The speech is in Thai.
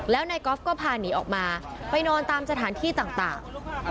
แล้วนายกอล์ฟก็พาหนีออกมาไปนอนตามสถานที่ต่าง